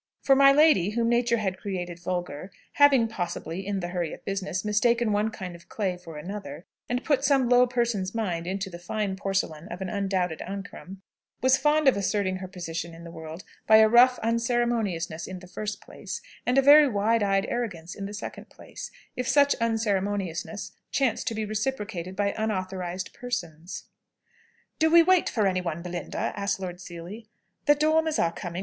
For my lady, whom Nature had created vulgar having possibly, in the hurry of business, mistaken one kind of clay for another, and put some low person's mind into the fine porcelain of an undoubted Ancram was fond of asserting her position in the world by a rough unceremoniousness in the first place, and a very wide eyed arrogance in the second place, if such unceremoniousness chanced to be reciprocated by unauthorised persons. "Do we wait for any one, Belinda?" asked Lord Seely. "The Dormers are coming.